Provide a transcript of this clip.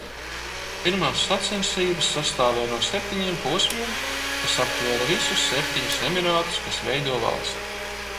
Pirmās sacensības sastāvēja no septiņiem posmiem, kas aptvēra visus septiņus emirātus, kas veido valsti.